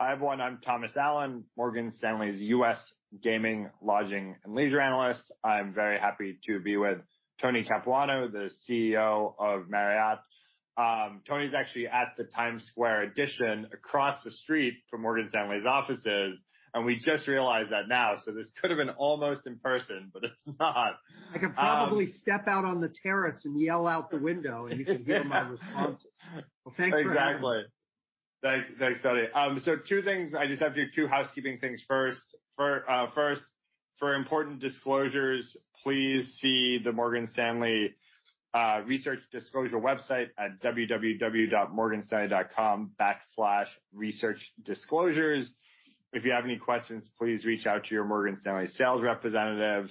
Hi, everyone. I'm Thomas Allen, Morgan Stanley's U.S. gaming, lodging, and leisure analyst. I'm very happy to be with Tony Capuano, the CEO of Marriott. Tony is actually at the Times Square EDITION across the street from Morgan Stanley's offices, and we just realized that now. This could've been almost in person, but it's not. I could probably step out on the terrace and yell out the window, and you can give him my responses. Well, thanks for having me. Exactly. Thanks, Tony. Two things. I just have to do two housekeeping things first. First, for important disclosures, please see the Morgan Stanley research disclosure website at www.morganstanley.com/researchdisclosures. If you have any questions, please reach out to your Morgan Stanley sales representative.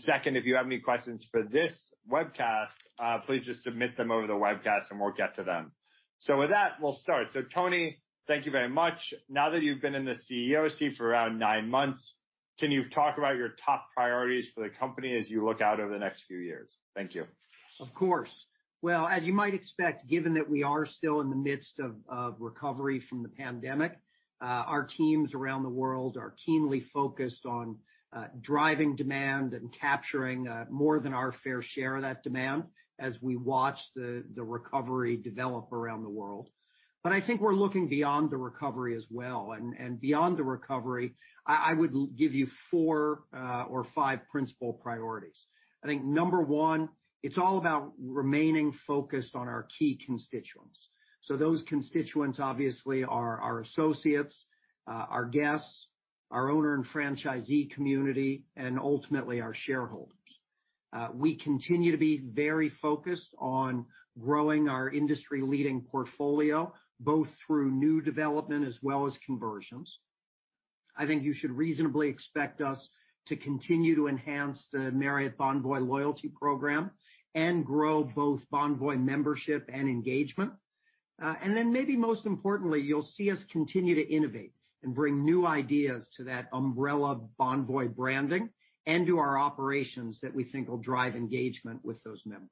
Second, if you have any questions for this webcast, please just submit them over the webcast, and we'll get to them. With that, we'll start. Tony, thank you very much. Now that you've been in the CEO seat for around nine months, can you talk about your top priorities for the company as you look out over the next few years? Thank you. Of course. Well, as you might expect, given that we are still in the midst of recovery from the pandemic, our teams around the world are keenly focused on driving demand and capturing more than our fair share of that demand as we watch the recovery develop around the world. I think we're looking beyond the recovery as well. Beyond the recovery, I would give you four or five principal priorities. I think number one, it's all about remaining focused on our key constituents. Those constituents obviously are our associates, our guests, our owner and franchisee community, and ultimately, our shareholders. We continue to be very focused on growing our industry-leading portfolio, both through new development as well as conversions. I think you should reasonably expect us to continue to enhance the Marriott Bonvoy loyalty program and grow both Bonvoy membership and engagement. maybe most importantly, you'll see us continue to innovate and bring new ideas to that umbrella Bonvoy branding and to our operations that we think will drive engagement with those members.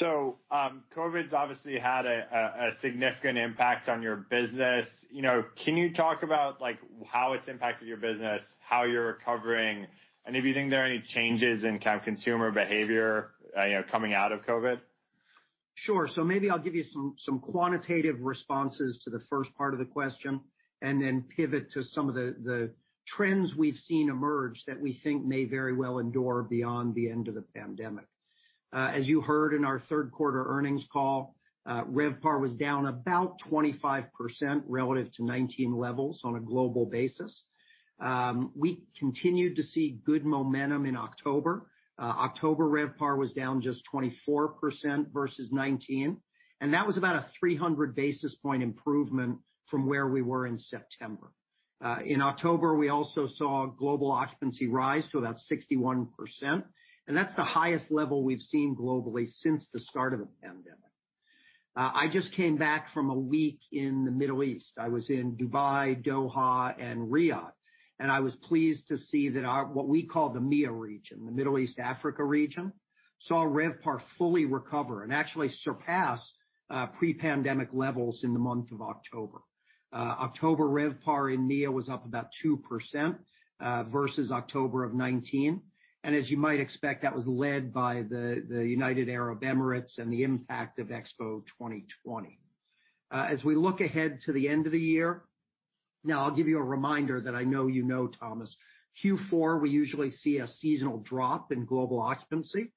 COVID's obviously had a significant impact on your business. Can you talk about how it's impacted your business, how you're recovering, and if you think there are any changes in consumer behavior coming out of COVID? Sure. maybe I'll give you some quantitative responses to the first part of the question and then pivot to some of the trends we've seen emerge that we think may very well endure beyond the end of the pandemic. As you heard in our third quarter earnings call, RevPAR was down about 25% relative to 2019 levels on a global basis. We continued to see good momentum in October. October RevPAR was down just 24% versus 2019, and that was about a 300 basis point improvement from where we were in September. In October, we also saw global occupancy rise to about 61%, and that's the highest level we've seen globally since the start of the pandemic. I just came back from a week in the Middle East. I was in Dubai, Doha, and Riyadh, as you might expect, that was led by the United Arab Emirates and the impact of Expo 2020. we look ahead to the end of the year-- Now, I'll give you a reminder that I know you know, Thomas. Q4, we usually see a seasonal drop in global occupancy.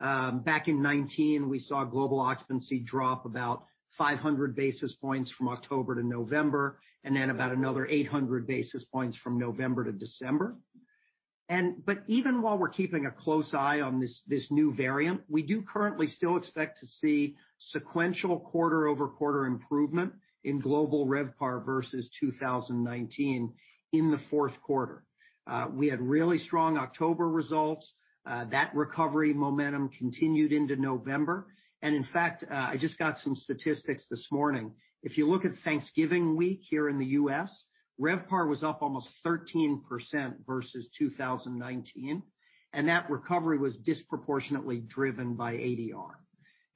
Back in 2019, we saw global occupancy drop about 500 basis points from October to November, and then about another 800 basis points from November to December. Even while we're keeping a close eye on this new variant, we do currently still expect to see sequential quarter-over-quarter improvement in global RevPAR versus 2019 in the fourth quarter. We had really strong October results. That recovery momentum continued into November. In fact, I just got some statistics this morning. If you look at Thanksgiving week here in the U.S., RevPAR was up almost 13% versus 2019, and that recovery was disproportionately driven by ADR.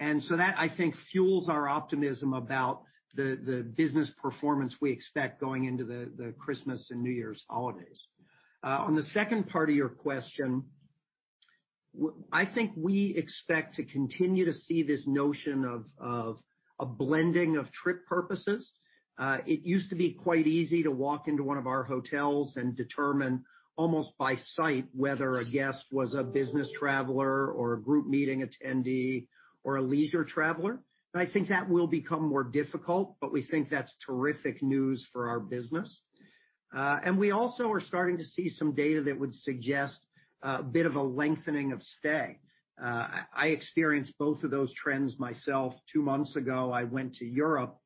That, I think, fuels our optimism about the business performance we expect going into the Christmas and New Year's holidays. On the second part of your question, I think we expect to continue to see this notion of a blending of trip purposes. It used to be quite easy to walk into one of our hotels and determine almost by sight whether a guest was a business traveler or a group meeting attendee or a leisure traveler. I think that will become more difficult, but we think that's terrific news for our business. We also are starting to see some data that would suggest a bit of a lengthening of stay. I experienced both of those trends myself two months ago. I went to Europe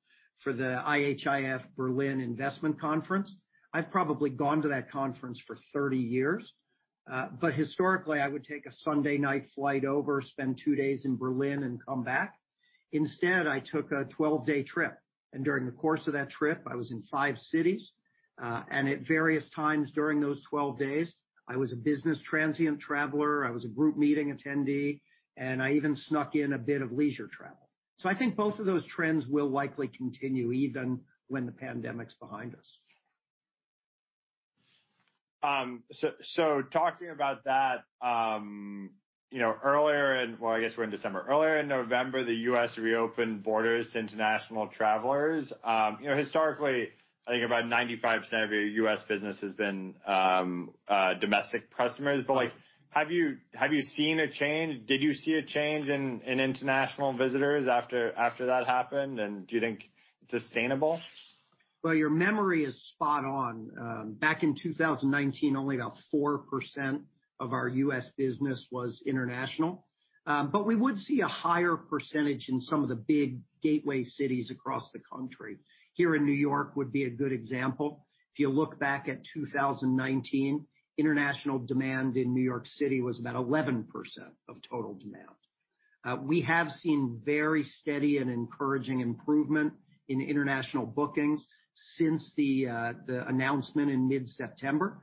for the IHIF Berlin investment conference. I've probably gone to that conference for 30 years. Historically, I would take a Sunday night flight over, spend two days in Berlin, and come back. Instead, I took a 12-day trip, and during the course of that trip, I was in five cities. At various times during those 12 days, I was a business transient traveler, I was a group meeting attendee, and I even snuck in a bit of leisure travel. I think both of those trends will likely continue even when the pandemic's behind us. Talking about that, Well, I guess we're in December. Earlier in November, the U.S. reopened borders to international travelers. Historically, I think about 95% of your U.S. business has been domestic customers. Have you seen a change? Did you see a change in international visitors after that happened? Do you think it's sustainable? Well, your memory is spot on. Back in 2019, only about 4% of our U.S. business was international. We would see a higher percentage in some of the big gateway cities across the country. Here in N.Y. would be a good example. If you look back at 2019, international demand in N.Y. City was about 11% of total demand. We have seen very steady and encouraging improvement in international bookings since the announcement in mid-September,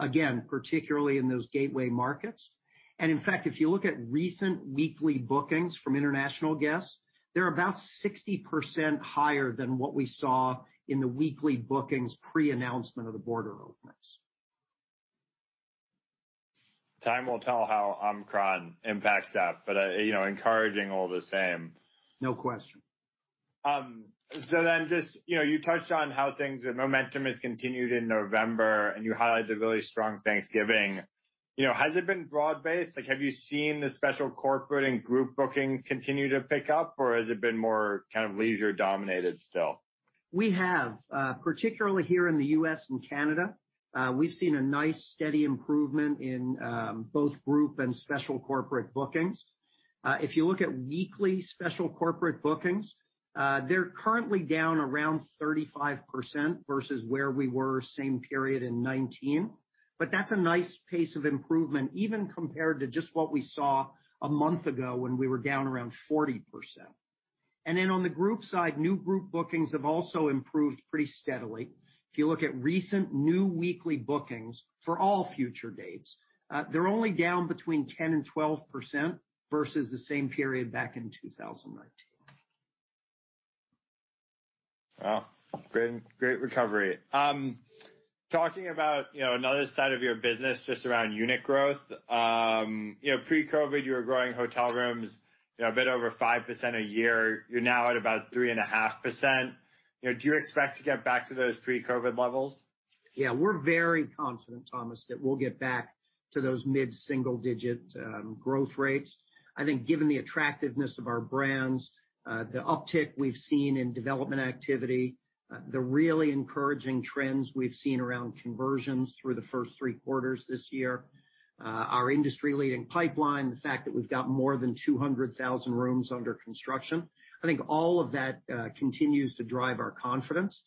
again, particularly in those gateway markets. In fact, if you look at recent weekly bookings from international guests, they're about 60% higher than what we saw in the weekly bookings pre-announcement of the border openings. Time will tell how Omicron impacts that, encouraging all the same. No question. Just, you touched on how things, the momentum is continued in November, and you highlight the really strong Thanksgiving. Has it been broad-based? Have you seen the special corporate and group bookings continue to pick up, or has it been more kind of leisure-dominated still? We have. Particularly here in the U.S. and Canada, we've seen a nice steady improvement in both group and special corporate bookings. If you look at weekly special corporate bookings, they're currently down around 35% versus where we were same period in 2019. That's a nice pace of improvement, even compared to just what we saw a month ago when we were down around 40%. On the group side, new group bookings have also improved pretty steadily. If you look at recent new weekly bookings for all future dates, they're only down between 10% and 12% versus the same period back in 2019. Wow. Great recovery. Talking about another side of your business, just around unit growth. Pre-COVID, you were growing hotel rooms a bit over 5% a year. You're now at about 3.5%. Do you expect to get back to those pre-COVID levels? Yeah. We're very confident, Thomas, that we'll get back to those mid-single digit growth rates. I think given the attractiveness of our brands, the uptick we've seen in development activity, the really encouraging trends we've seen around conversions through the first three quarters this year, our industry-leading pipeline, the fact that we've got more than 200,000 rooms under construction, I think all of that continues to drive our confidence.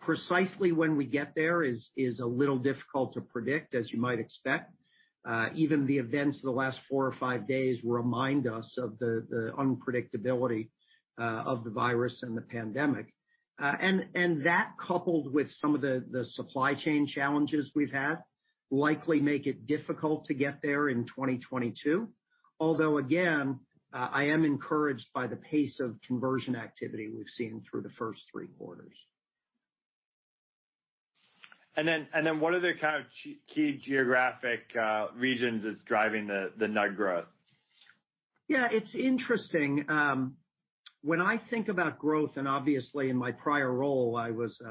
Precisely when we get there is a little difficult to predict, as you might expect. Even the events of the last four or five days remind us of the unpredictability of the virus and the pandemic. That coupled with some of the supply chain challenges we've had likely make it difficult to get there in 2022. Although, again, I am encouraged by the pace of conversion activity we've seen through the first three quarters. What other kind of key geographic regions is driving the NUG growth? It's interesting. When I think about growth, in my prior role,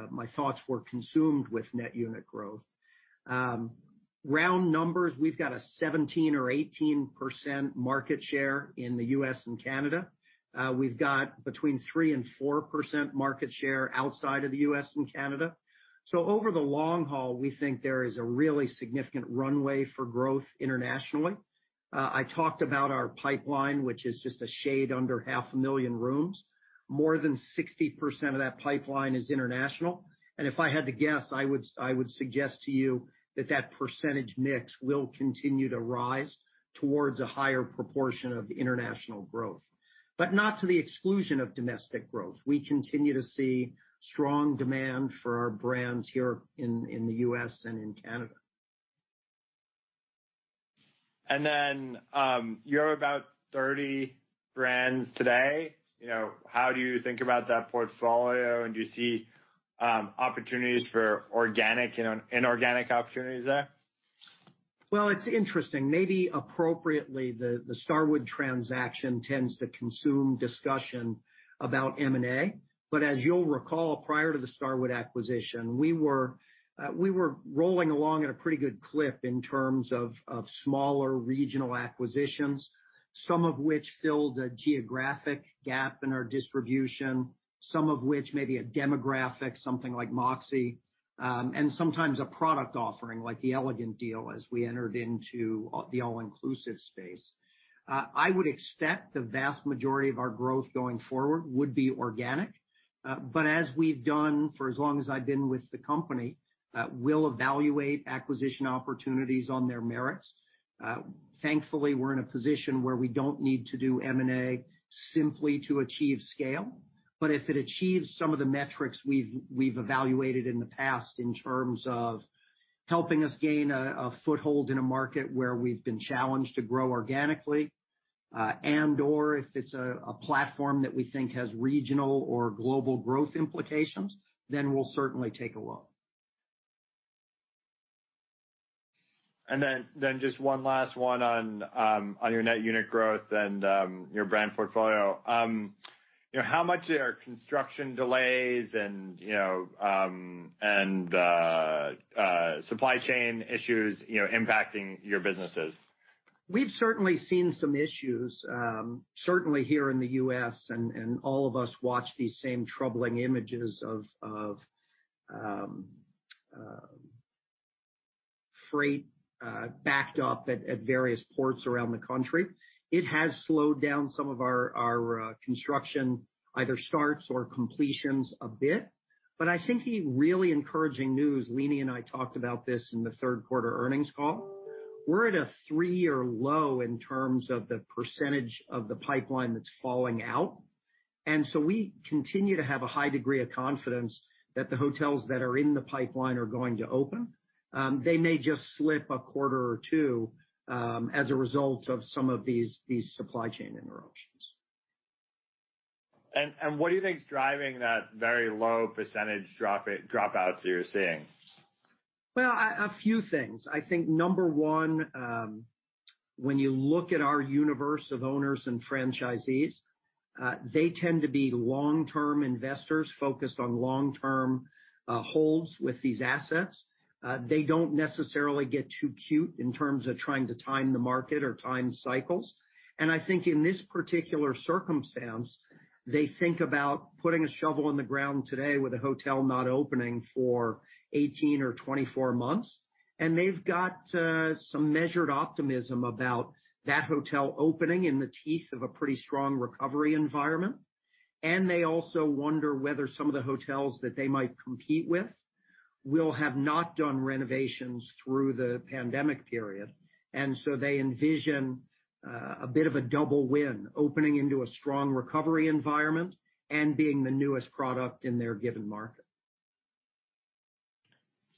my thoughts were consumed with net unit growth. Round numbers, we've got a 17% or 18% market share in the U.S. and Canada. We've got between 3% and 4% market share outside of the U.S. and Canada. Over the long haul, we think there is a really significant runway for growth internationally. I talked about our pipeline, which is just a shade under 500,000 rooms. More than 60% of that pipeline is international. If I had to guess, I would suggest to you that that percentage mix will continue to rise towards a higher proportion of international growth, but not to the exclusion of domestic growth. We continue to see strong demand for our brands here in the U.S. and in Canada. You have about 30 brands today. How do you think about that portfolio, and do you see opportunities for organic and inorganic opportunities there? It's interesting. Maybe appropriately, the Starwood transaction tends to consume discussion about M&A. As you'll recall, prior to the Starwood acquisition, we were rolling along at a pretty good clip in terms of smaller regional acquisitions, some of which filled a geographic gap in our distribution, some of which may be a demographic, something like Moxy, and sometimes a product offering, like the Elegant deal as we entered into the all-inclusive space. I would expect the vast majority of our growth going forward would be organic. As we've done for as long as I've been with the company, we'll evaluate acquisition opportunities on their merits. Thankfully, we're in a position where we don't need to do M&A simply to achieve scale. If it achieves some of the metrics we've evaluated in the past in terms of helping us gain a foothold in a market where we've been challenged to grow organically, and/or if it's a platform that we think has regional or global growth implications, then we'll certainly take a look. Just one last one on your net unit growth and your brand portfolio. How much are construction delays and supply chain issues impacting your businesses? We've certainly seen some issues, certainly here in the U.S., all of us watch these same troubling images of freight backed up at various ports around the country. It has slowed down some of our construction, either starts or completions a bit. I think the really encouraging news, Leeny and I talked about this in the third quarter earnings call. We're at a three-year low in terms of the percentage of the pipeline that's falling out. We continue to have a high degree of confidence that the hotels that are in the pipeline are going to open. They may just slip a quarter or two, as a result of some of these supply chain interruptions. What do you think is driving that very low percentage drop-outs you're seeing? Well, a few things. I think number one, when you look at our universe of owners and franchisees, they tend to be long-term investors focused on long-term holds with these assets. They don't necessarily get too cute in terms of trying to time the market or time cycles. I think in this particular circumstance, they think about putting a shovel in the ground today with a hotel not opening for 18 or 24 months, they've got some measured optimism about that hotel opening in the teeth of a pretty strong recovery environment. They also wonder whether some of the hotels that they might compete with will have not done renovations through the pandemic period. So they envision a bit of a double win, opening into a strong recovery environment and being the newest product in their given market.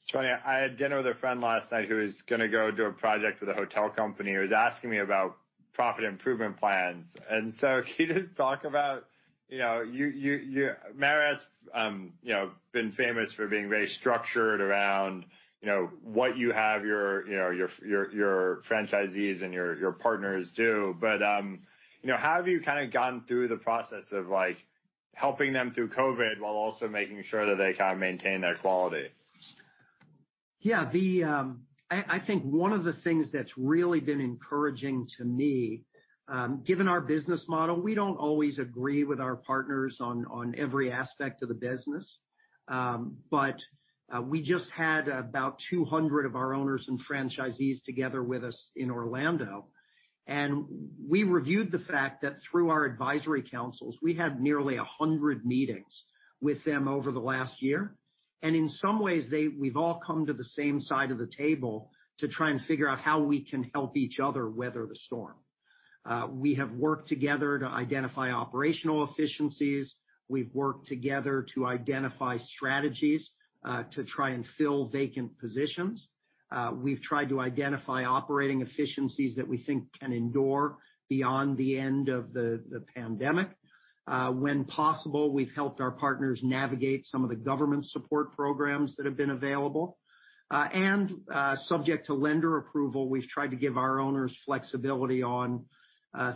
It's funny, I had dinner with a friend last night who is going to go do a project with a hotel company, who was asking me about profit improvement plans. Can you just talk about, Marriott's been famous for being very structured around what you have your franchisees and your partners do. How have you gotten through the process of helping them through COVID, while also making sure that they maintain their quality? Yeah. I think one of the things that's really been encouraging to me, given our business model, we don't always agree with our partners on every aspect of the business. We just had about 200 of our owners and franchisees together with us in Orlando, and we reviewed the fact that through our advisory councils, we had nearly 100 meetings with them over the last year. In some ways, we've all come to the same side of the table to try and figure out how we can help each other weather the storm. We have worked together to identify operational efficiencies. We've worked together to identify strategies, to try and fill vacant positions. We've tried to identify operating efficiencies that we think can endure beyond the end of the pandemic. When possible, we've helped our partners navigate some of the government support programs that have been available. Subject to lender approval, we've tried to give our owners flexibility on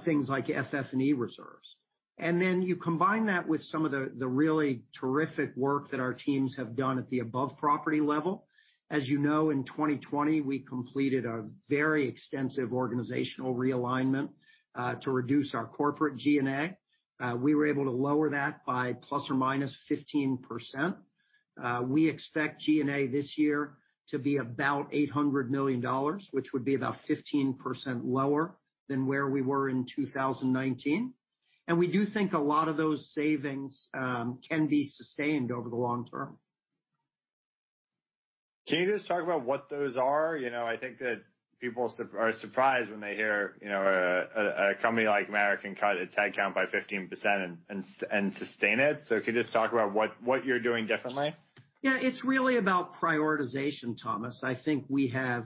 things like FF&E reserves. You combine that with some of the really terrific work that our teams have done at the above property level. As you know, in 2020, we completed a very extensive organizational realignment, to reduce our corporate G&A. We were able to lower that by ±15%. We expect G&A this year to be about $800 million, which would be about 15% lower than where we were in 2019. We do think a lot of those savings can be sustained over the long term. Can you just talk about what those are? I think that people are surprised when they hear a company like Marriott can cut its headcount by 15% and sustain it. Can you just talk about what you're doing differently? It's really about prioritization, Thomas. I think we have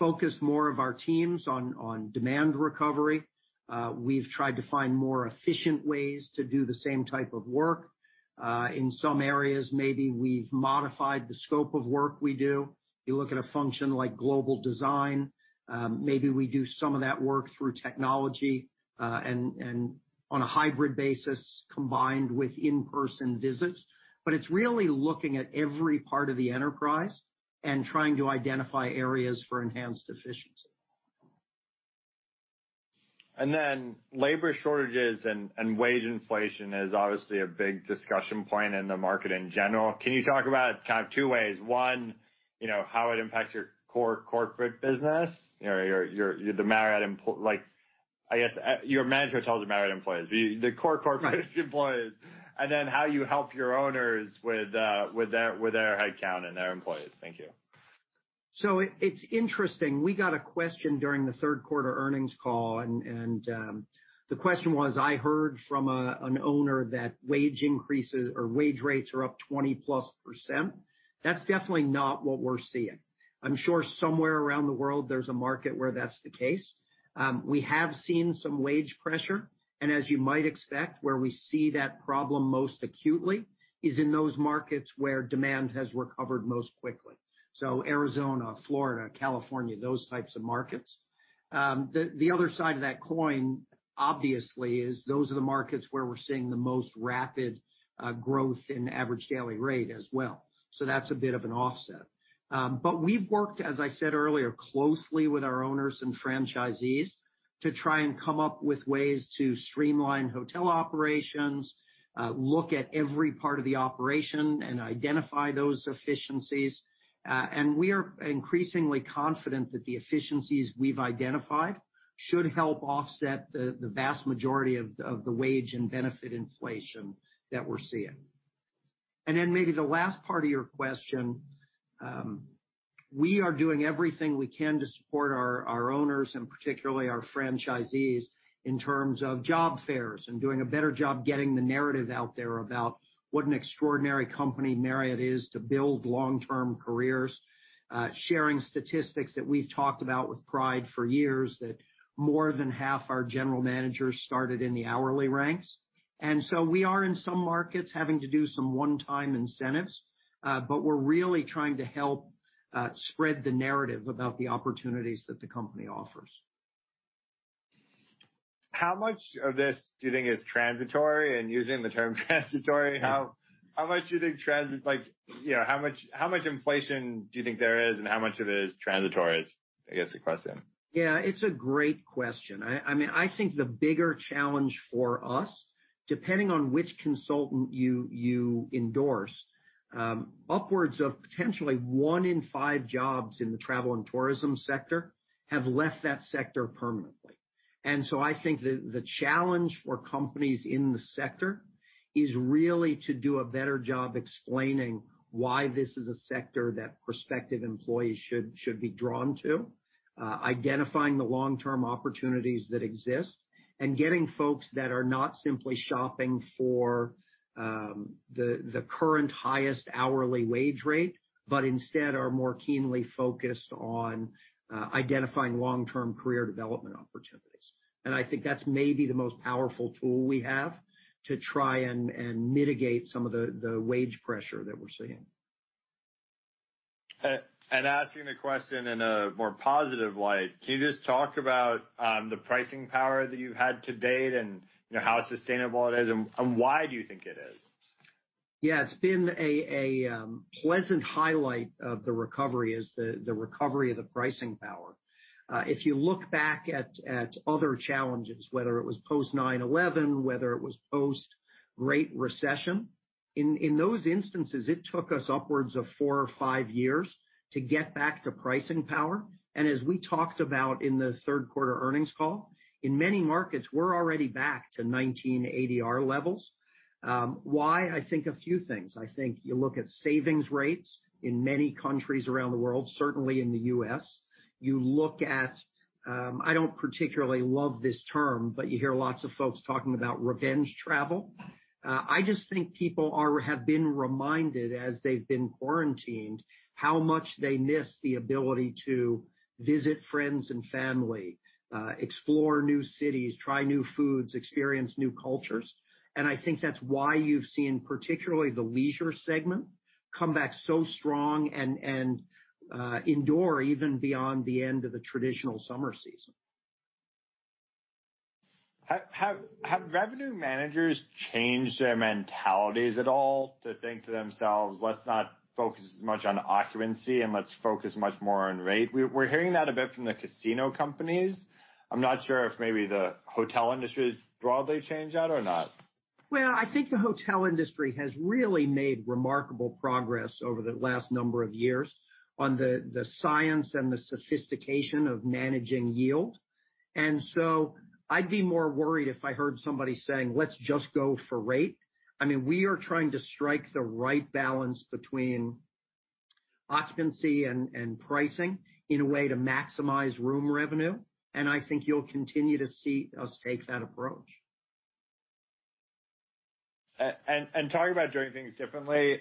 focused more of our teams on demand recovery. We've tried to find more efficient ways to do the same type of work. In some areas, maybe we've modified the scope of work we do. You look at a function like global design, maybe we do some of that work through technology, and on a hybrid basis, combined with in-person visits. It's really looking at every part of the enterprise and trying to identify areas for enhanced efficiency. Labor shortages and wage inflation is obviously a big discussion point in the market in general. Can you talk about two ways? One, how it impacts your core corporate business, the Marriott employees, but the core corporate employees. How you help your owners with their headcount and their employees. Thank you It's interesting. We got a question during the third quarter earnings call, the question was, "I heard from an owner that wage increases or wage rates are up 20+%." That's definitely not what we're seeing. I'm sure somewhere around the world there's a market where that's the case. We have seen some wage pressure, and as you might expect, where we see that problem most acutely is in those markets where demand has recovered most quickly. Arizona, Florida, California, those types of markets. The other side of that coin, obviously, is those are the markets where we're seeing the most rapid growth in average daily rate as well. That's a bit of an offset. We've worked, as I said earlier, closely with our owners and franchisees to try and come up with ways to streamline hotel operations, look at every part of the operation, and identify those efficiencies. We are increasingly confident that the efficiencies we've identified should help offset the vast majority of the wage and benefit inflation that we're seeing. Maybe the last part of your question, we are doing everything we can to support our owners and particularly our franchisees in terms of job fairs and doing a better job getting the narrative out there about what an extraordinary company Marriott is to build long-term careers, sharing statistics that we've talked about with pride for years, that more than half our general managers started in the hourly ranks. We are, in some markets, having to do some one-time incentives. We're really trying to help spread the narrative about the opportunities that the company offers. How much of this do you think is transitory? Using the term transitory, how much inflation do you think there is, and how much of it is transitory, is, I guess, the question. Yeah, it's a great question. I think the bigger challenge for us, depending on which consultant you endorse, upwards of potentially one in five jobs in the travel and tourism sector have left that sector permanently. I think that the challenge for companies in the sector is really to do a better job explaining why this is a sector that prospective employees should be drawn to, identifying the long-term opportunities that exist, and getting folks that are not simply shopping for the current highest hourly wage rate, but instead are more keenly focused on identifying long-term career development opportunities. I think that's maybe the most powerful tool we have to try and mitigate some of the wage pressure that we're seeing. Asking the question in a more positive light, can you just talk about the pricing power that you've had to date and how sustainable it is and why do you think it is? Yeah. It's been a pleasant highlight of the recovery, is the recovery of the pricing power. If you look back at other challenges, whether it was post 9/11, whether it was post-Great Recession, in those instances, it took us upwards of four or five years to get back to pricing power. As we talked about in the third quarter earnings call, in many markets, we're already back to 19 ADR levels. Why? I think a few things. I think you look at savings rates in many countries around the world, certainly in the U.S. You look at, I don't particularly love this term, but you hear lots of folks talking about revenge travel. I just think people have been reminded as they've been quarantined, how much they miss the ability to visit friends and family, explore new cities, try new foods, experience new cultures. I think that's why you've seen particularly the leisure segment come back so strong and endure even beyond the end of the traditional summer season. Have revenue managers changed their mentalities at all to think to themselves, "Let's not focus as much on occupancy, and let's focus much more on rate?" We're hearing that a bit from the casino companies. I'm not sure if maybe the hotel industry has broadly changed that or not. Well, I think the hotel industry has really made remarkable progress over the last number of years on the science and the sophistication of managing yield. I'd be more worried if I heard somebody saying, "Let's just go for rate." We are trying to strike the right balance between occupancy and pricing in a way to maximize room revenue, and I think you'll continue to see us take that approach. Talking about doing things differently,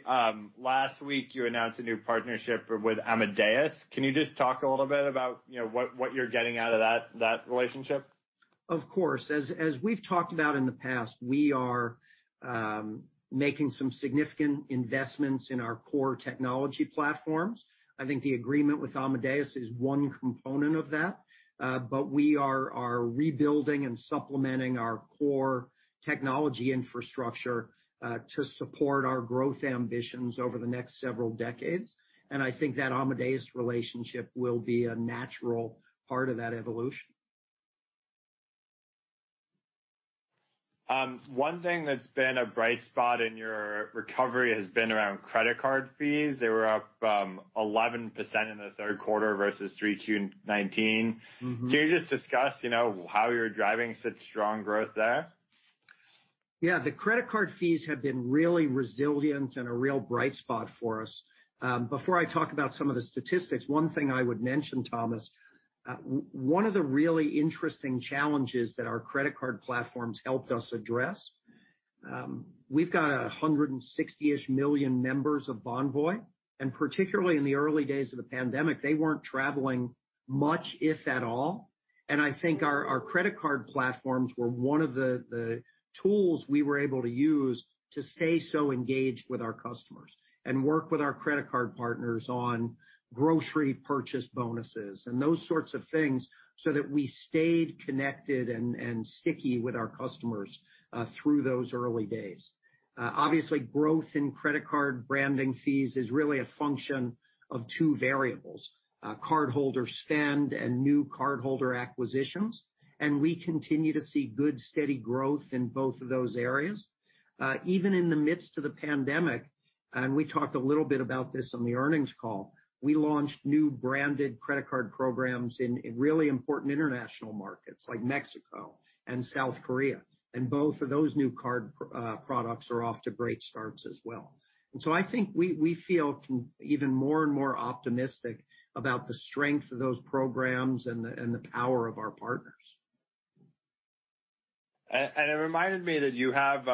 last week, you announced a new partnership with Amadeus. Can you just talk a little bit about what you're getting out of that relationship? Of course. As we've talked about in the past, we are making some significant investments in our core technology platforms. I think the agreement with Amadeus is one component of that. We are rebuilding and supplementing our core technology infrastructure to support our growth ambitions over the next several decades. I think that Amadeus relationship will be a natural part of that evolution. One thing that's been a bright spot in your recovery has been around credit card fees. They were up 11% in the third quarter versus 3Q 2019. Can you just discuss how you're driving such strong growth there? Yeah, the credit card fees have been really resilient and a real bright spot for us. Before I talk about some of the statistics, one thing I would mention, Thomas, one of the really interesting challenges that our credit card platforms helped us address, we've got 160-ish million members of Bonvoy, and particularly in the early days of the pandemic, they weren't traveling much, if at all. I think our credit card platforms were one of the tools we were able to use to stay so engaged with our customers and work with our credit card partners on grocery purchase bonuses and those sorts of things, so that we stayed connected and sticky with our customers through those early days. Obviously, growth in credit card branding fees is really a function of two variables, cardholder spend and new cardholder acquisitions. We continue to see good, steady growth in both of those areas. Even in the midst of the pandemic, we talked a little bit about this on the earnings call, we launched new branded credit card programs in really important international markets like Mexico and South Korea, and both of those new card products are off to great starts as well. I think we feel even more and more optimistic about the strength of those programs and the power of our partners. It reminded me that you have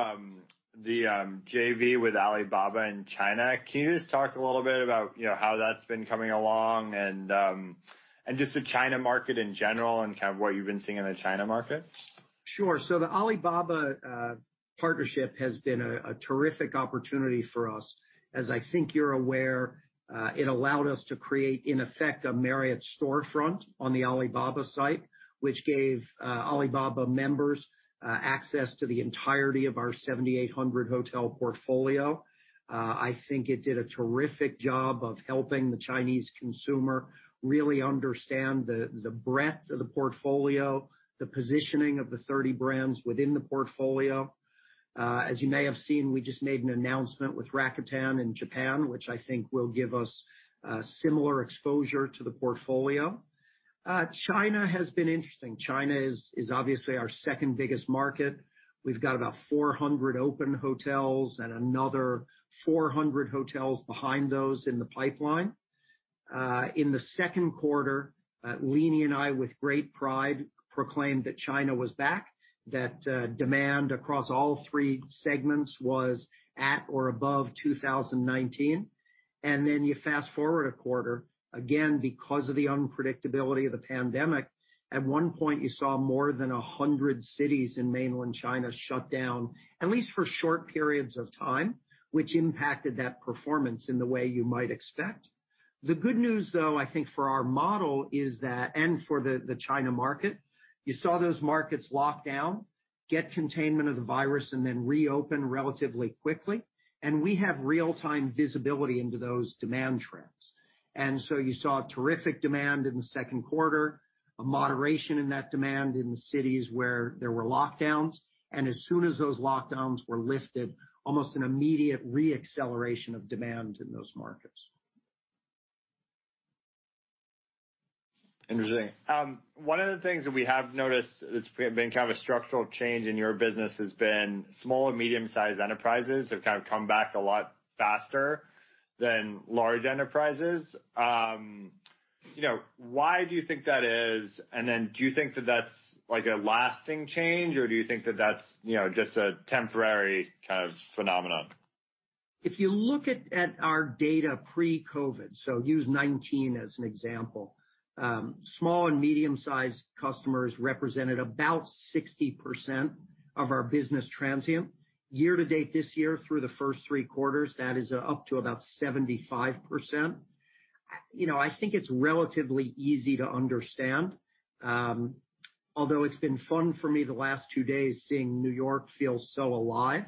the JV with Alibaba in China. Can you just talk a little bit about how that's been coming along and just the China market in general and what you've been seeing in the China market? Sure. The Alibaba partnership has been a terrific opportunity for us. As I think you're aware, it allowed us to create, in effect, a Marriott storefront on the Alibaba site, which gave Alibaba members access to the entirety of our 7,800 hotel portfolio. I think it did a terrific job of helping the Chinese consumer really understand the breadth of the portfolio, the positioning of the 30 brands within the portfolio. As you may have seen, we just made an announcement with Rakuten in Japan, which I think will give us similar exposure to the portfolio. China has been interesting. China is obviously our second-biggest market. We've got about 400 open hotels and another 400 hotels behind those in the pipeline. In the second quarter, Leeny and I, with great pride, proclaimed that China was back, that demand across all three segments was at or above 2019. You fast-forward a quarter, again, because of the unpredictability of the pandemic, at one point you saw more than 100 cities in mainland China shut down, at least for short periods of time, which impacted that performance in the way you might expect. The good news, though, I think, for our model is that, and for the China market, you saw those markets lock down, get containment of the virus, and then reopen relatively quickly, and we have real-time visibility into those demand trends. You saw terrific demand in the second quarter, a moderation in that demand in the cities where there were lockdowns, and as soon as those lockdowns were lifted, almost an immediate re-acceleration of demand in those markets. Interesting. One of the things that we have noticed that's been kind of a structural change in your business has been small and medium sized enterprises have kind of come back a lot faster than large enterprises. Why do you think that is? Do you think that that's a lasting change, or do you think that that's just a temporary kind of phenomenon? If you look at our data pre-COVID, use 2019 as an example, small and medium sized customers represented about 60% of our business transient. Year to date this year through the first three quarters, that is up to about 75%. I think it's relatively easy to understand. Although it's been fun for me the last two days, seeing New York feel so alive,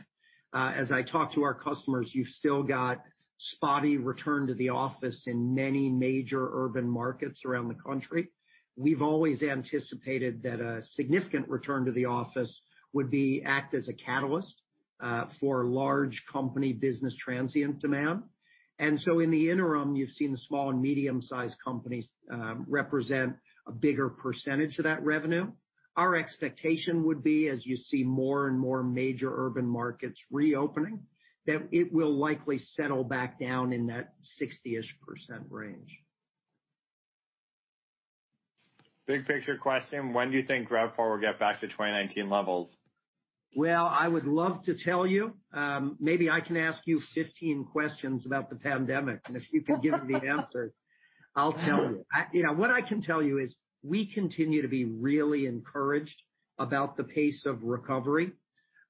as I talk to our customers, you've still got spotty return to the office in many major urban markets around the country. We've always anticipated that a significant return to the office would act as a catalyst for large company business transient demand. In the interim, you've seen the small and medium sized companies represent a bigger percentage of that revenue. Our expectation would be, as you see more and more major urban markets reopening, that it will likely settle back down in that 60-ish% range. Big picture question, when do you think RevPAR will get back to 2019 levels? Well, I would love to tell you. Maybe I can ask you 15 questions about the pandemic, and if you can give me the answers, I'll tell you. What I can tell you is we continue to be really encouraged about the pace of recovery.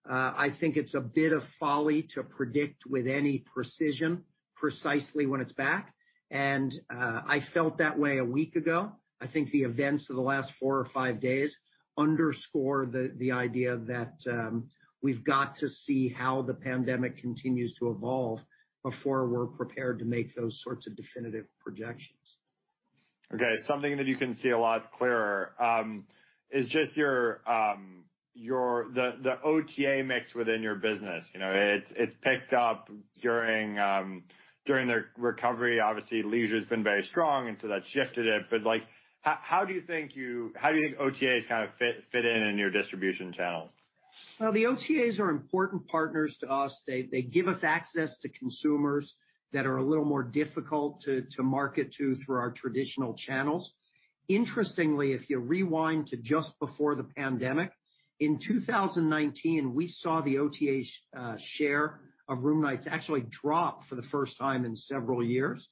I think it's a bit of folly to predict with any precision precisely when it's back, and I felt that way a week ago. I think the events of the last four or five days underscore the idea that we've got to see how the pandemic continues to evolve before we're prepared to make those sorts of definitive projections. Okay. Something that you can see a lot clearer is just the OTA mix within your business. It's picked up during the recovery. Obviously, leisure's been very strong, that shifted it. How do you think OTAs fit in in your distribution channels? Well, the OTAs are important partners to us. They give us access to consumers that are a little more difficult to market to through our traditional channels. Interestingly, if you rewind to just before the pandemic, in 2019, we saw the OTA's share of room nights actually drop for the first time in several years.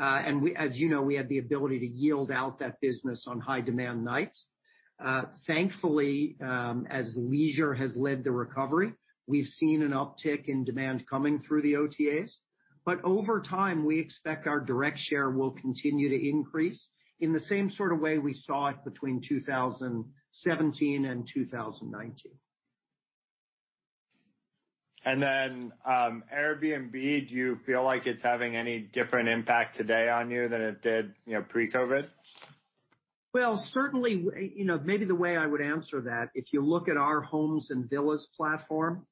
As you know, we had the ability to yield out that business on high demand nights. Thankfully, as leisure has led the recovery, we've seen an uptick in demand coming through the OTAs. Over time, we expect our direct share will continue to increase in the same sort of way we saw it between 2017 and 2019. Airbnb, do you feel like it's having any different impact today on you than it did pre-COVID? Well, certainly, maybe the way I would answer that, if you look at our Homes & Villas platform,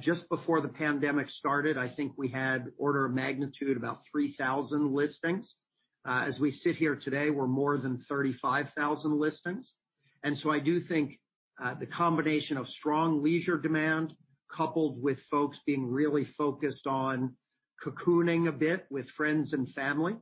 just before the pandemic started, I think we had order of magnitude about 3,000 listings. As we sit here today, we're more than 35,000 listings. I do think, the combination of strong leisure demand, coupled with folks being really focused on cocooning a bit with friends and family,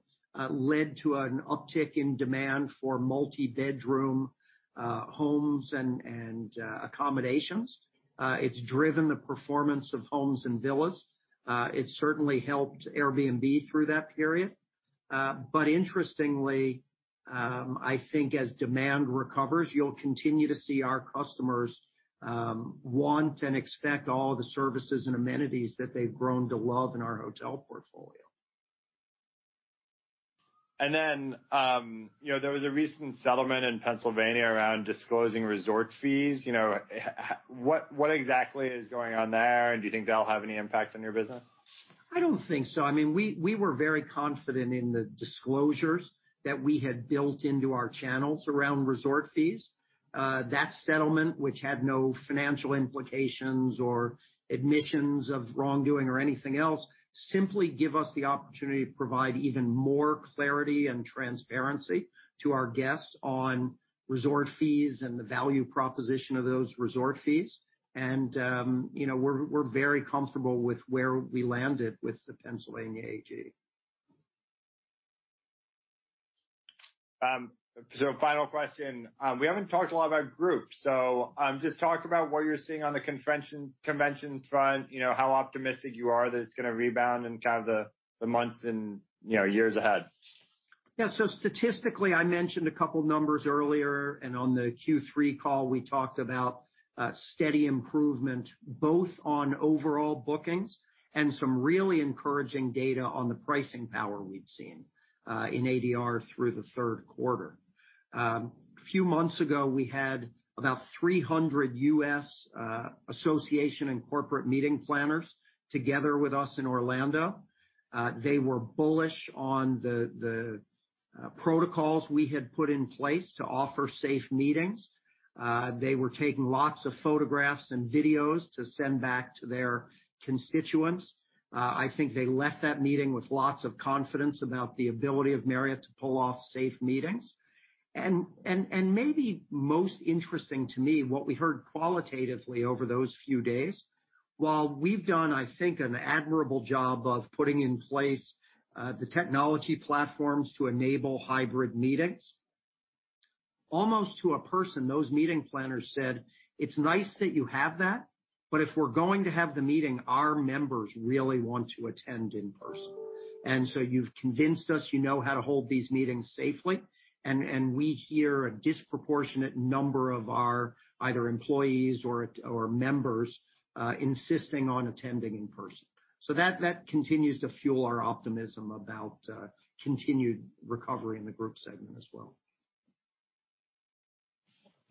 led to an uptick in demand for multi-bedroom homes and accommodations. It's driven the performance of Homes & Villas. It certainly helped Airbnb through that period. Interestingly, I think as demand recovers, you'll continue to see our customers want and expect all the services and amenities that they've grown to love in our hotel portfolio. There was a recent settlement in Pennsylvania around disclosing resort fees. What exactly is going on there? Do you think that'll have any impact on your business? I don't think so. We were very confident in the disclosures that we had built into our channels around resort fees. That settlement, which had no financial implications or admissions of wrongdoing or anything else, simply give us the opportunity to provide even more clarity and transparency to our guests on resort fees and the value proposition of those resort fees. We're very comfortable with where we landed with the Pennsylvania AG. final question. We haven't talked a lot about groups. Just talk about what you're seeing on the convention front, how optimistic you are that it's going to rebound in the months and years ahead. Yeah. Statistically, I mentioned a couple numbers earlier, and on the Q3 call, we talked about steady improvement both on overall bookings and some really encouraging data on the pricing power we'd seen, in ADR through the third quarter. A few months ago, we had about 300 U.S. association and corporate meeting planners together with us in Orlando. They were bullish on the protocols we had put in place to offer safe meetings. They were taking lots of photographs and videos to send back to their constituents. I think they left that meeting with lots of confidence about the ability of Marriott to pull off safe meetings. Maybe most interesting to me, what we heard qualitatively over those few days, while we've done, I think, an admirable job of putting in place the technology platforms to enable hybrid meetings, almost to a person, those meeting planners said, "It's nice that you have that, but if we're going to have the meeting, our members really want to attend in person." You've convinced us you know how to hold these meetings safely, and we hear a disproportionate number of our either employees or members insisting on attending in person. That continues to fuel our optimism about continued recovery in the group segment as well.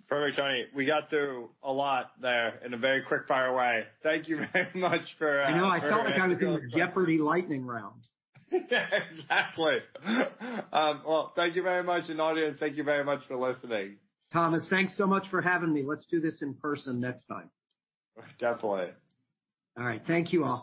Perfect, Tony. We got through a lot there in a very quick fire way. I know. I felt like I was doing Jeopardy lightning round. Exactly. Well, thank you very much. Audience, thank you very much for listening. Thomas, thanks so much for having me. Let's do this in person next time. Definitely. All right. Thank you all.